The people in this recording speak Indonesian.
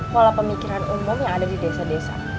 pola pemikiran umum yang ada di desa desa